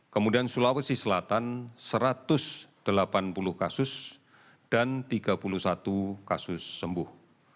kemudian sulawesi selatan satu ratus delapan puluh kasus dan tiga puluh satu kasus sembuh